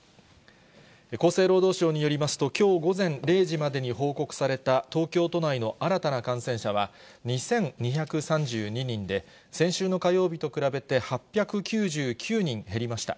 厚生労働省によりますと、きょう午前０時までに報告された東京都内の新たな感染者は２２３２人で、先週の火曜日と比べて８９９人減りました。